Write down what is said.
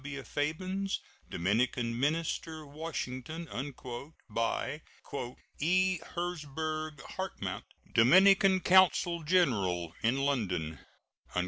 W. Fabens, Dominican minister, Washington," by "E. Herzberg Hartmount, Dominican consul general in London."